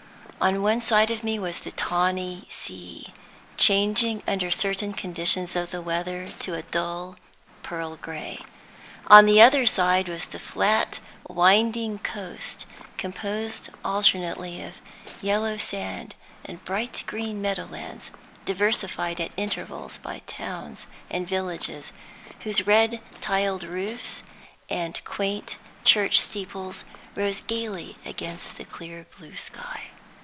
On one side of me was the tawny sea, changing under certain conditions of the weather to a dull pearl gray. On the other side was the flat, winding coast, composed alternately of yellow sand and bright green meadow lands; diversified at intervals by towns and villages, whose red tiled roofs and quaint church steeples rose gayly against the clear blue sky.